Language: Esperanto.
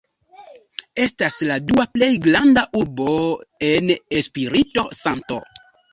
Estas la dua plej granda urbo en Espirito-Santo.